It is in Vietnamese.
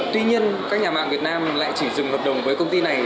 tuy nhiên các nhà mạng việt nam lại chỉ dừng hợp đồng với công ty này